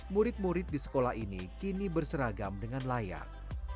murid murid di sekolah ini kini berseragam dengan layak